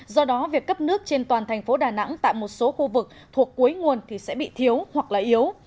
do đó việc cấp nước trên toàn thành phố đà nẵng tại một số khu vực thuộc cuối nguồn thì sẽ bị thiếu hoặc yếu